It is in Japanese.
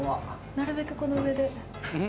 なるべくこの上で。